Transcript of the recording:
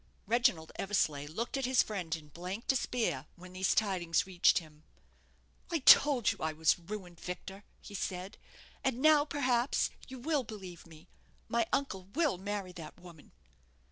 Reginald Eversleigh looked at his friend in blank despair when these tidings reached him. "I told you I was ruined, Victor," he said; "and now, perhaps, you will believe me. My uncle will marry that woman."